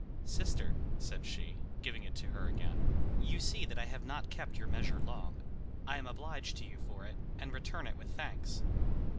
"Sister," said she, giving it to her again, "you see that I have not kept your measure long. I am obliged to you for it, and return it with thanks."